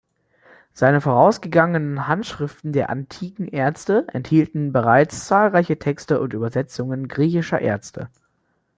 Seine vorausgegangenen "Handschriften der antiken Ärzte" enthielten bereits zahlreiche Texte und Übersetzungen griechischer Ärzte.